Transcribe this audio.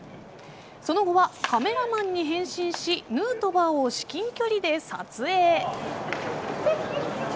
その後はカメラマンに変身しヌートバーを至近距離で撮影。